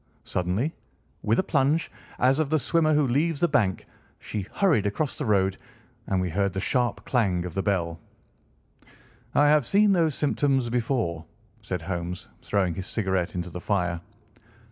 Suddenly, with a plunge, as of the swimmer who leaves the bank, she hurried across the road, and we heard the sharp clang of the bell. "I have seen those symptoms before," said Holmes, throwing his cigarette into the fire.